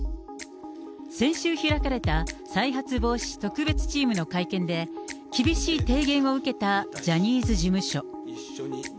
先週開かれた再発防止特別チームの会見で、厳しい提言を受けたジャニーズ事務所。